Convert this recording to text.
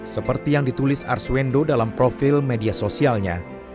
seperti yang ditulis arswendo dalam profil media sosialnya